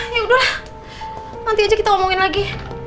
yaudahlah nanti aja kita omongin lagi